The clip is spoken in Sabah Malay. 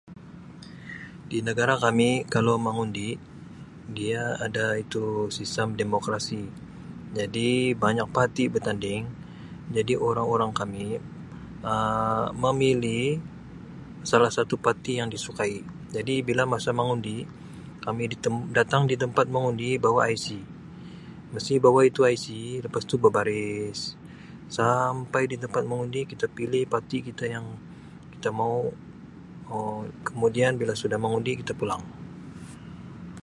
Di negara kami kalau mengundi dia ada itu sistem demokrasi jadi banyak parti bertanding jadi orang-orang kami Um memilih salah satu parti yang disukai jadi bila masa mengundi kami di tem datang di tempat mengundi bawa IC mesti bawa itu IC lepas itu berbaris sampai di tempat mengundi kita pilih parti kita yang kita mau Um kemudian bila sudah mengundi kita pulang.